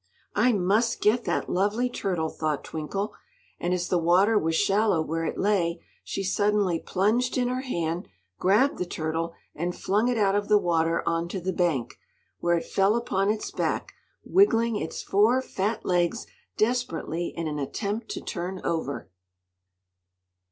"I must get that lovely turtle!" thought Twinkle; and as the water was shallow where it lay she suddenly plunged in her hand, grabbed the turtle, and flung it out of the water on to the bank, where it fell upon its back, wiggling its four fat legs desperately in an attempt to turn over.